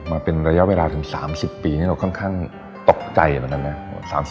มาเป็นระยะเวลาถึง๓๐ปีนี่เราค่อนข้างตกใจเหมือนกันนะ